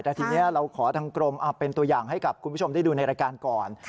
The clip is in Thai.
แต่ทีนี้เราขอทางกรมเป็นตัวอย่างให้กับคุณผู้ชมได้ดูในรายการก่อน